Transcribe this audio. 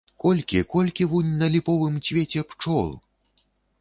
Колькі, колькі вунь на ліповым цвеце пчол!